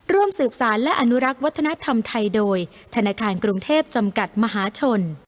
ร่วมสืบสารและอนุรักษ์วัฒนธรรมไทยโดยธนาคารกรุงเทพจำกัดมหาชน